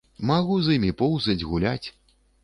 Магу з імі поўзаць, гуляць.